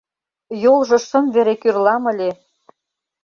Йолжо шым вере кӱрлам ыле!